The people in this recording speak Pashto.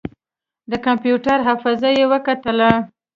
د کمپيوټر حافظه يې وکتله.